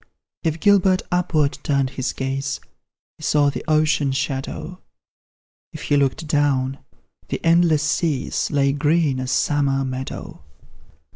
If Gilbert upward turned his gaze, He saw the ocean shadow; If he looked down, the endless seas Lay green as summer meadow.